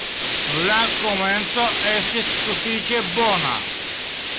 La komenco estis sufiĉe bona.